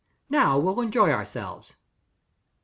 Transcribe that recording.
Now, we'll enjoy ourselves!" 5.